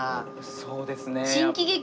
そうですね。